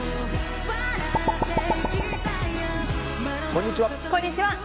こんにちは。